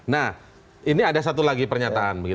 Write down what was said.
nah ini ada satu lagi pernyataan